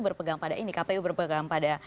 berpegang pada ini kpu berpegang pada